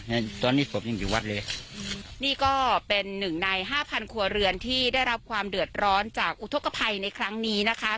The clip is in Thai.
ในตอนนี้ผมยังอยู่วัดเลยนี่ก็เป็นหนึ่งในห้าพันครัวเรือนที่ได้รับความเดือดร้อนจากอุทธกภัยในครั้งนี้นะคะ